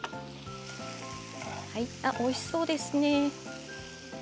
おいしそうですね。